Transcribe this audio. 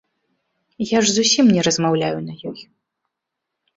Я ж зусім не размаўляю на ёй.